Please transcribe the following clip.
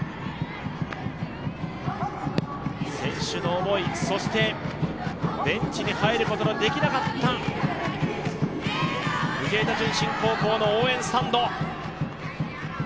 選手の思い、そしてベンチに入ることができなかった藤枝順心高校の応援スタンド。